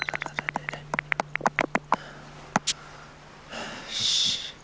よし。